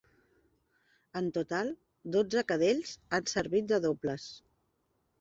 En total, dotze cadells han servit de dobles.